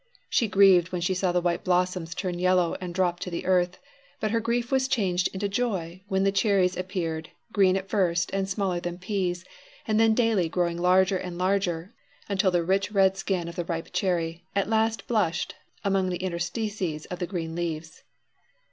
She grieved when she saw the white blossoms turn yellow and drop to the earth, but her grief was changed into joy when the cherries appeared, green at first and smaller than peas, and then daily growing larger and larger, until the rich red skin of the ripe cherry at last blushed among the interstices of the green leaves.